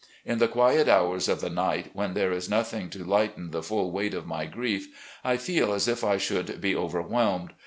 In the quiet hours of the night, when there is nothing to lighten the ftill weight of my grief, I feel as if I should be overwhelmed.